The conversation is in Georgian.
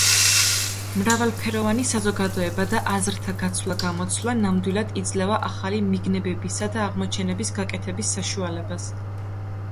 მრავალფეროვანი საზოგადოება და აზრთა გაცვლა-გამოცვლა ნამდვილად იძლევა ახალი მიგნებებისა და აღმოჩენების გაკეთების საშუალებას.